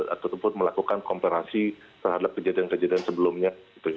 ataupun melakukan komparasi terhadap kejadian kejadian sebelumnya